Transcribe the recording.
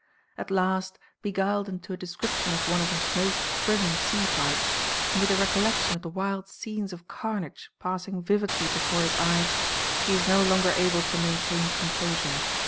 At last, beguiled into a description of one of his most thrilling sea fights, and with the recollection of the wild scenes of carnage passing vividly before his eyes, he is no longer able to maintain composure.